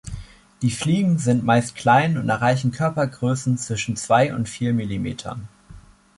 Die Fliegen sind meist klein und erreichen Körpergrößen zwischen zwei und vier Millimetern.